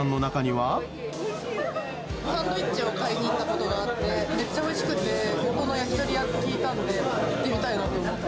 サンドイッチを買いに行ったことがあって、めっちゃおいしくって、元が焼き鳥屋って聞いたので、行ってみたいなと思って。